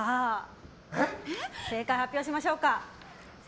正解を発表しましょう。